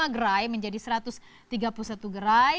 lima gerai menjadi satu ratus tiga puluh satu gerai